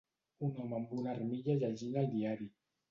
Un home amb una armilla llegint el diari.